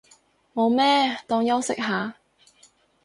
冇咩，當休息下